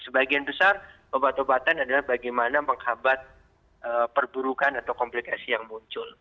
sebagian besar obat obatan adalah bagaimana menghambat perburukan atau komplikasi yang muncul